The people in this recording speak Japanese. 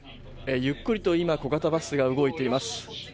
ゆっくりと今小型バスが動いています。